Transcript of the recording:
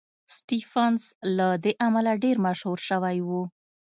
سټېفنس له دې امله ډېر مشهور شوی و